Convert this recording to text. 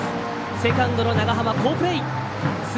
セカンドの長濱、好プレー！